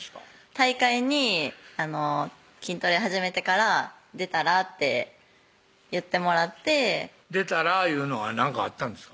大会に筋トレ始めてから「出たら？」って言ってもらって「出たら？」いうのは何かあったんですか？